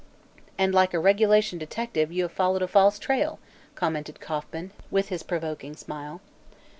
"And, like the regulation detective, you have followed a false trail," commented Kauffman, with his provoking smile.